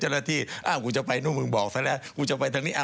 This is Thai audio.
เจ้าหน้าที่กูจะไปลูกมึงบอกเสร็จทั้งนี้